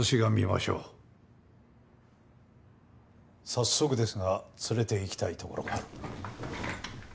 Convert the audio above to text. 早速ですが連れていきたいところがある。